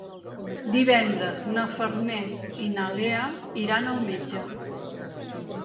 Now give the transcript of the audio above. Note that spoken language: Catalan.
Divendres na Farners i na Lea iran al metge.